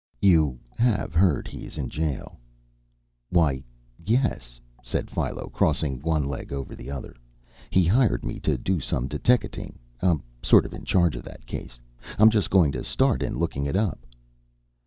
You have heard he is in jail?" "Why, yes," said Philo, crossing one leg over the other. "He hired me to do some deteckating. I'm sort of in charge of that case. I'm just going to start in looking it up."